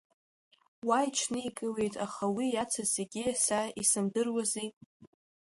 Уа иҽникылеит, аха уи иацыз зегьы са исымдыруази…